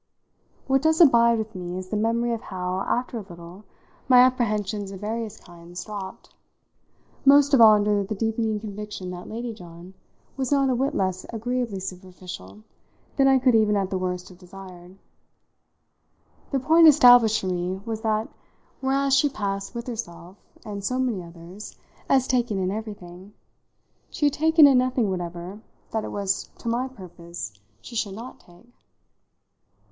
What does abide with me is the memory of how, after a little, my apprehensions, of various kinds, dropped most of all under the deepening conviction that Lady John was not a whit less agreeably superficial than I could even at the worst have desired. The point established for me was that, whereas she passed with herself and so many others as taking in everything, she had taken in nothing whatever that it was to my purpose she should not take.